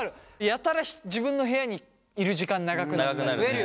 やたら自分の部屋にいる時間長くなったり。